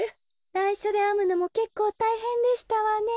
ないしょであむのもけっこうたいへんでしたわね。